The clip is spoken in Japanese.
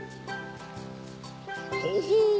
ほほう！